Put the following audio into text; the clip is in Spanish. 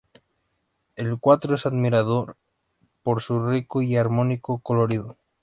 El cuadro es admirado por su rico y armónico colorido.